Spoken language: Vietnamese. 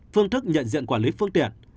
phương thức nhận diện quản lý phương tiện